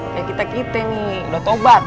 kayak kita kita nih udah taubat